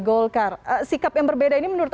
golkar sikap yang berbeda ini menurut